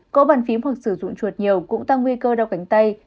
cỗ bàn phím hoặc sử dụng chuột nhiều cũng tăng nguy cơ đau cánh tay